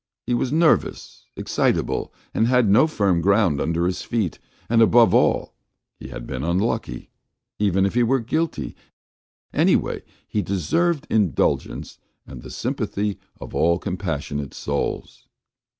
He was nervous, excitable, had no firm ground under his feet, and, above all, he had been unlucky. Even if he were guilty, anyway he deserved indulgence and the sympathy of all compassionate souls.